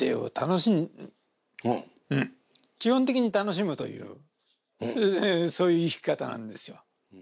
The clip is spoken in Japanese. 基本的に楽しむというそういう生き方なんですよ。